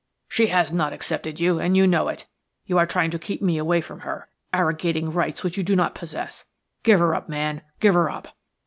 "She has not accepted you–and you know it. You are trying to keep me away from her–arrogating rights which you do not possess. Give her up, man, give her up.